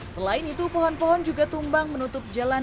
selain itu pohon pohon juga tumbang menutup jalan